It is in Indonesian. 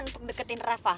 untuk deketin reva